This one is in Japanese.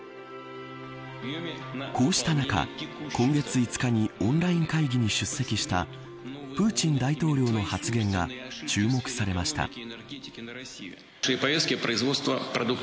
こうした中、今月５日にオンライン会議に出席したプーチン大統領の発言が注目されました。